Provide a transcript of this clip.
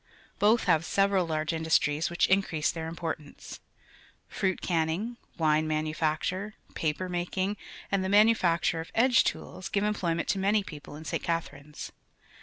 Both have several large indus tries which increase their importance. Fruit canning, wine manufacture, ]);ippr ninkiiiy;, and themanufactuio of edgo tools give emploj'ment to many people in St. Ca tharines.